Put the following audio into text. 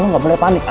kamu gak boleh panik